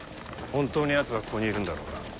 本当に奴はここにいるんだろうな。